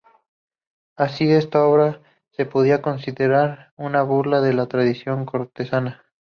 Así, esta obra se podría considerar una burla de la tradición cortesana.